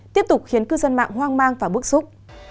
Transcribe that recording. tiếp tục khiến cư dân mạng hoang mang và bức xúc